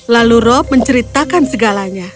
lalu rob menceritakan segalanya